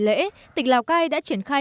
trong những ngày lễ tỉnh lào cai đã triển khai